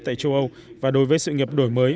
tại châu âu và đối với sự nghiệp đổi mới